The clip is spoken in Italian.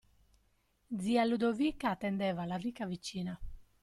Zia Ludovica attendeva la ricca vicina.